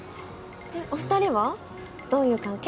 でお２人はどういう関係？